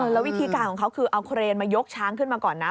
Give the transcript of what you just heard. แล้ววิธีการของเขาคือเอาเครนมายกช้างขึ้นมาก่อนนะ